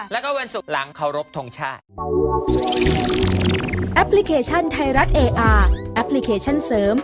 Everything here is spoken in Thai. แล้วก็วันศุกร์หลังเคารพทงชาติ